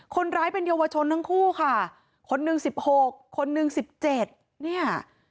คนร้ายเป็นเยาวชนทั้งคู่ค่ะคนหนึ่งสิบหกคนหนึ่งสิบเจ็ดเนี่ย